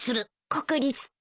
国立って？